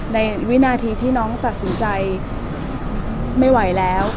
วินาทีที่น้องตัดสินใจไม่ไหวแล้ว